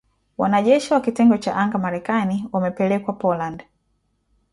Wanajeshi wa kitengo cha anga Marekani wamepelekwa Poland.